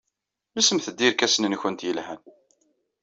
Lsemt-d irkasen-nwent yelhan.